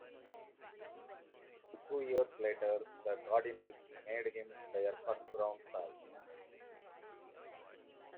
Two years later the Cardinals made him their first round choice.